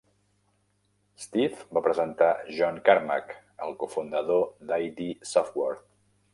Steve va presentar John Carmack, el cofundador d'Id Software.